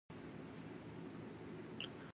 The most inventive fantasy since, well, Brazil!